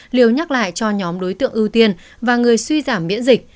liều nhắc lại cho nhóm đối tượng ưu tiên và người suy giảm miễn dịch